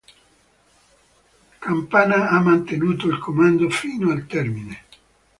Campana ha mantenuto il comando fino al termine.